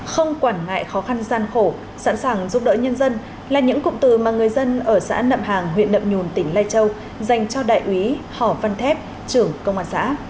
không quản ngại khó khăn gian khổ sẵn sàng giúp đỡ nhân dân là những cụm từ mà người dân ở xã nậm hàng huyện nậm nhùn tỉnh lai châu dành cho đại úy hò văn thép trưởng công an xã